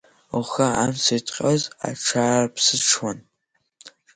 Лхы амца иҭҟьоз аҽаарԥсыҽуан.